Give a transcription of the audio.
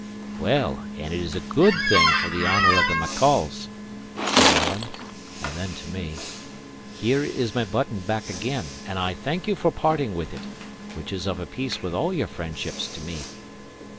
"Well, and it is a good thing for the honour of the Maccolls," said Alan, and then to me, "Here is my button back again, and I thank you for parting with it, which is of a piece with all your friendships to me."